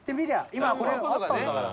今これあったんだから。